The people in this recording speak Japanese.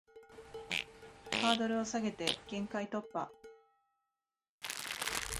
ハードルを下げて限界突破